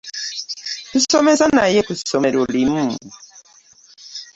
Tusomesa naye ku ssomero limu.